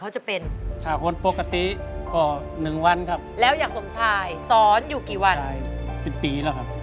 สอนหมุนข้าวตั้งแต่อายุ๑๒ปี